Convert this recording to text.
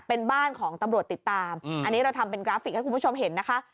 เป็นบ้านของตำรวจติดตามอันนี้เราทำเป็นกราฟิกให้คุณผู้ชมเห็นนะคะ